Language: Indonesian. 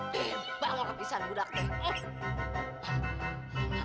bambang apa bisa budaknya